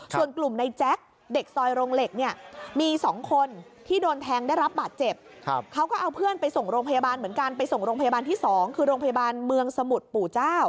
ส่วนกลุ่มในแจ๊คเด็กซอยโรงเหล็กเนี่ยมี๒คนที่โดนแทงได้รับบาดเจ็บเขาก็เอาเพื่อนไปส่งโรงพยาบาลเหมือนกันไปส่งโรงพยาบาลที่๒คือโรงพยาบาลเมืองสมุทรปู่เจ้า